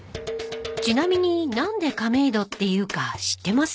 ［ちなみに何で亀戸っていうか知ってます？］